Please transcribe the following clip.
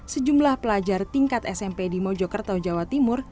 sejumlah pelajar tingkat smp di mojokerto jawa timur